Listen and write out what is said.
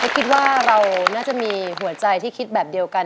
คิดว่าเราน่าจะมีหัวใจที่คิดแบบเดียวกัน